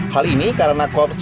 hal ini karena korps